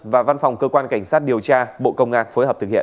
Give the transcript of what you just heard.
và văn phòng cơ quan cảnh sát điều tra bộ công an phối hợp thực hiện